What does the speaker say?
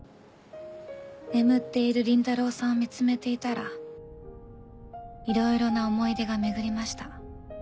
眠っている倫太郎さんを見つめていたらいろいろな思い出が巡りました。